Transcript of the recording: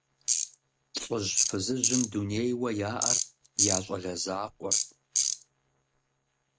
ЛӀыжь-фызыжьым дунейуэ яӀэр я щӀалэ закъуэрт.